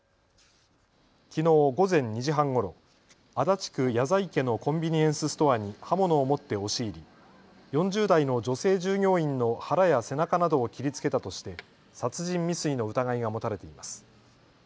きのう午前２時半ごろ足立区谷在家のコンビニエンスストアに刃物を持って押し入り４０代の女性従業員の腹や背中などを切りつけたとして殺人未遂の疑いが持たれています。